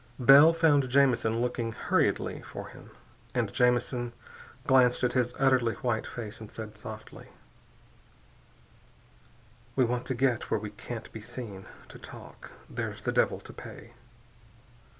Bell found Jamison looking unhurriedly for him. And Jamison glanced at his utterly white face and said softly: "We want to get where we can't be seen, to talk. There's the devil to pay."